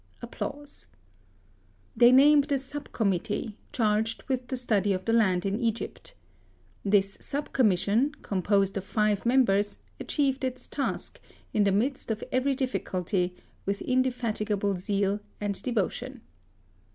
They named a sub committee, charge^ with the study of the land in Egypt. This sub commission, composed of five members, achieved its task, in the midst of every difficulty, with indefatigable zeal and devotion.